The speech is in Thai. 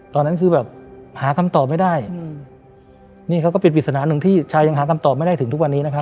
ตอนนั้นคือแบบหาคำตอบไม่ได้อืมนี่เขาก็เป็นปริศนาหนึ่งที่ชายังหาคำตอบไม่ได้ถึงทุกวันนี้นะครับ